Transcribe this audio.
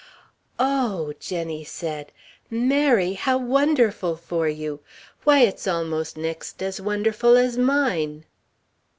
"Oh...." Jenny said. "Mary! How wonderful for you! Why, it's almost next as wonderful as mine!"